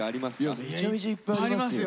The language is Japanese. めちゃめちゃいっぱいありますよ。